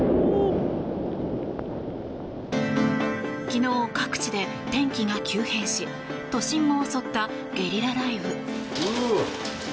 昨日、各地で天気が急変し都心を襲ったゲリラ雷雨。